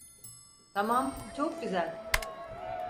Tamam, çok güzel.